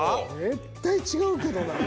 絶対違うけどなぁ。